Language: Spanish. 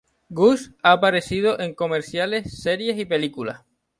Gus ha aparecido en comerciales, series y películas.